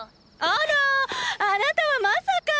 あらァあなたはまさか！